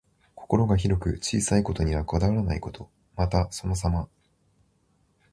心が広く、小さいことにはこだわらないこと。また、そのさま。